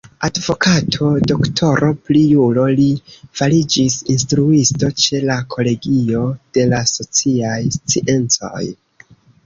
Advokato, doktoro pri juro, li fariĝis instruisto ĉe la kolegio de la sociaj sciencoj.